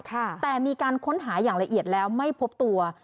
แต่มีการค้นหาอย่างละเอียดแล้วไม่พบตัว